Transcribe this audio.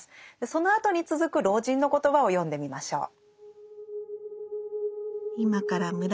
そのあとに続く老人の言葉を読んでみましょう。